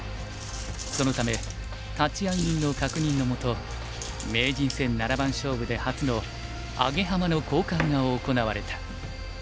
そのため立会人の確認のもと名人戦七番勝負で初のアゲハマの交換が行われた。